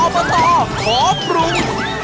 อบตขอปรุง